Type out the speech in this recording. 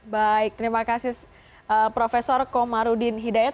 baik terima kasih prof komarudin hidayat